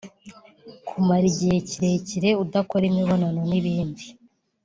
kumara igihe kirekire udakora imibonano n’ibindi